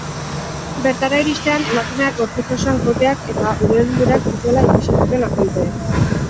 Bertara iristean, emakumeak gorputz osoan kolpeak eta ubeldurak zituela ikusi zuten agenteek.